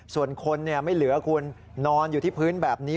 ส่วนคนไม่เหลือคุณนอนอยู่ที่พื้นแบบนี้